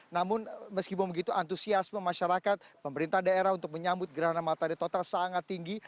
namun meskipun begitu antusiasme masyarakat pemerintah daerah untuk menyambut gerhana matahari total sangat tinggi